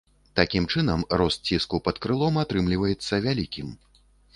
Такім чынам, рост ціску пад крылом атрымліваецца вялікім.